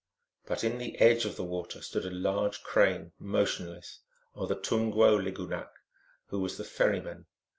But in the edge of the water stood a large Crane, motionless, or the Tum gwo lig unach, who was the ferryman.